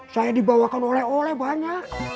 saya dibawakan oleh oleh banyak